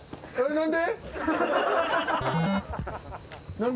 何で？